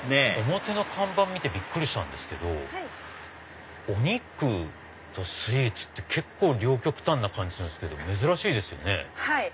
表の看板見てびっくりしたんですけどお肉とスイーツって両極端な感じするんですけど珍しいですよね。